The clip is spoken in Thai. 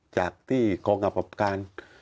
จากที่กองกับปรับการ